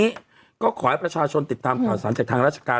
วันนี้ก็ขอให้ประชาชนติดตามข่าวสารจากทางราชการ